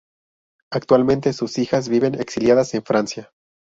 Actualmente sus hijas viven exiliadas en Francia.